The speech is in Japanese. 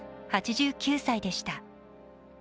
８９歳でした。